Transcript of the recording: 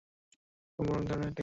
কম্বল অনেক ধরনের হয়ে থাকে।